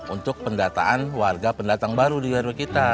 untuk pendataan warga pendatang baru di gardu kita